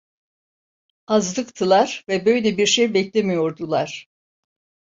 Azlıktılar ve böyle bir şey beklemiyordular.